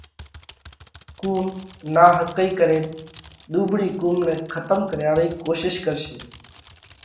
قُوم ناحقئِي ڪرينَ ۮُوٻۯِي قوم نئہ کتم ڪريا رئي ڪوشش ڪرشي۔